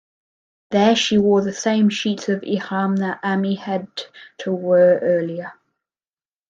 There she wore the same sheets of ihram that Ammi had to were earlier.